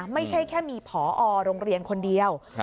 ไม่ใช่แค่มีผอโรงเรียนคนเดียว